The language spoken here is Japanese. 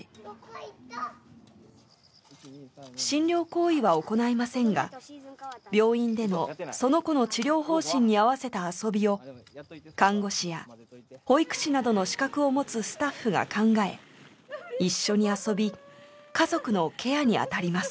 診療行為は行いませんが病院でのその子の治療方針に合わせた遊びを看護師や保育士などの資格を持つスタッフが考え一緒に遊び家族のケアにあたります。